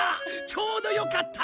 ちょうどよかった！